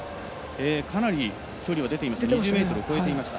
かなり、距離は出ていました。